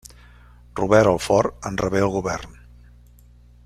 Robert El Fort en rebé el govern.